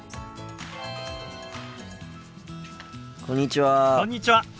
こんにちは。